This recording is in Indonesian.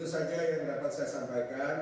itu saja yang dapat saya sampaikan